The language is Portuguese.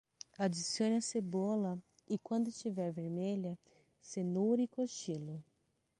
Adicione a cebola e, quando estiver vermelha, cenoura e cochilo.